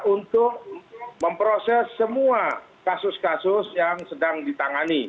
untuk memproses semua kasus kasus yang sedang ditangani